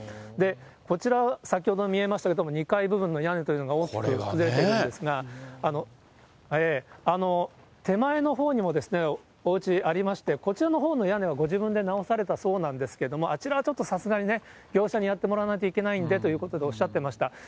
こちら、先ほど見えましたけれども、２階部分の屋根というのが大きく崩れてるんですが、手前のほうにもおうちありまして、こちらのほうの屋根はご自分で直されたそうなんですけれども、あちらはちょっとさすがにね、業者にやってもらわないといけないんでということをおっしゃっていました。